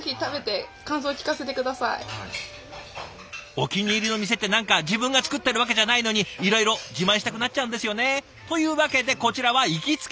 お気に入りの店って何か自分が作ってるわけじゃないのにいろいろ自慢したくなっちゃうんですよね。というわけでこちらは行きつけ自慢。